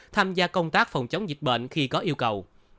tham gia công tác phòng chống dịch bệnh khi có yêu cầu